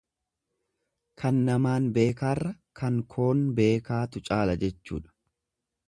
Kan namaan beekaarra kan koon beekaatu caala jechuudha.